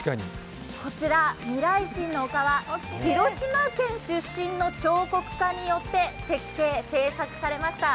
こちら、未来心の丘は広島県出身の彫刻家によって設計・製作されました。